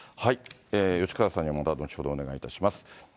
吉川さんにはまた後ほどお願いいたします。